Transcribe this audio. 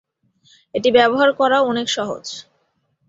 এটি ব্যবহার করাও অনেক সহজ।